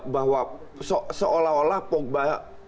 bahwa seolah olah pogba